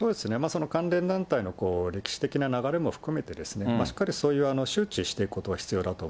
その関連団体の歴史的な流れも含めて、しっかりそういう周知していくことは必要